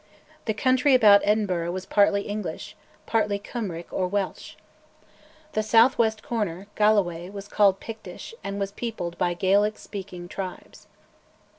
The country about Edinburgh was partly English, partly Cymric or Welsh. The south west corner, Galloway, was called Pictish, and was peopled by Gaelic speaking tribes.